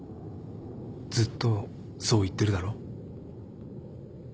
ずっとそう言ってるだろ？